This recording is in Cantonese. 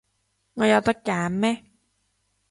我有得揀咩？